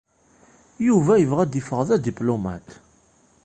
Yuba yebɣa ad d-yeffeɣ d adiplumaṭ.